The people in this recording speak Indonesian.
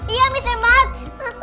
iya mr mark